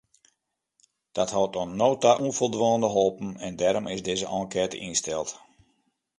Dat hat oant no ta ûnfoldwaande holpen en dêrom is dizze enkête ynsteld.